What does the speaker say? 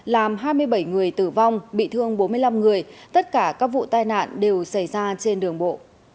làm hai mươi bảy người tử vong bị thương bốn mươi năm người tất cả các vụ tai nạn đều xảy ra trên đường bộ